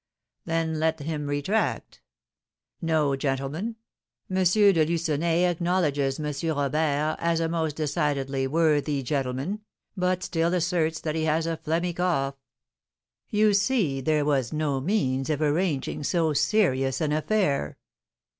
'Then let him retract ' 'No, gentlemen, M. de Lucenay acknowledges M. Robert as a most decidedly worthy gentleman, but still asserts that he has a phlegmy cough.' You see there was no means of arranging so serious an affair."